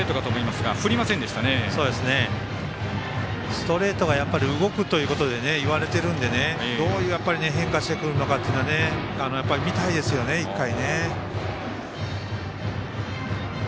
ストレートが動くということでいわれてるのでどう変化してくるかというのはやっぱり見たいですよね、１回。